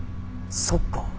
そっか。